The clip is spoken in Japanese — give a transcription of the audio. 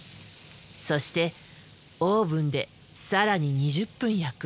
そしてオーブンで更に２０分焼く。